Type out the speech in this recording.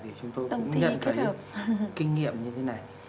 thì chúng tôi cũng nhận thấy kinh nghiệm như thế này